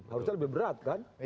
harusnya lebih berat kan